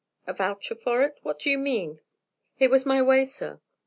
"A voucher for it. What do you mean?" "It was this way, sir.